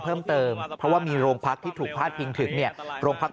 เพิ่มเติมเพราะว่ามีโรงพักที่ถูกพาดพิงถึงเนี่ยโรงพัก